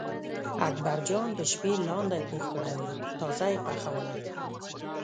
اکبرجان د شپې لاندی پوخ کړی و تازه یې پخولی.